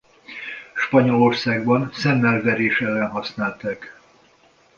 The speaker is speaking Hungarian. Spanyolországban szemmel verés ellen használták.